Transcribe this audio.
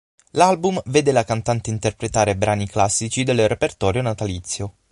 L'album vede la cantante interpretare brani classici del repertorio natalizio.